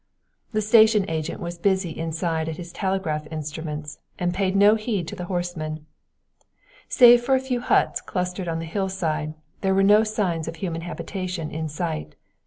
The station agent was busy inside at his telegraph instruments and paid no heed to the horsemen. Save for a few huts clustered on the hillside, there were no signs of human habitation in sight.